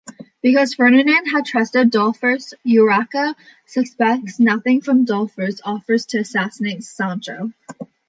Because Ferdinand had trusted Dolfos, Urraca suspects nothing when Dolfos offers to assassinate Sancho.